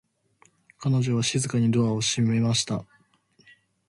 彼女は静かにドアを閉めました。